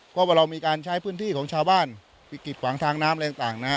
เพราะว่าเรามีการใช้พื้นที่ของชาวบ้านไปกิดขวางทางน้ำอะไรต่างนะฮะ